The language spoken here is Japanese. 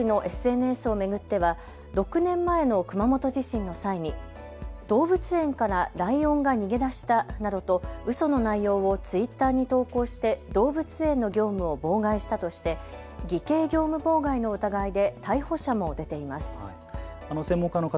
災害時のＳＮＳを巡っては６年前の熊本地震の際に動物園からライオンが逃げ出したなどとうその内容をツイッターに投稿して動物園の業務を妨害したとして偽計業務妨害の疑いで逮捕者も出ています。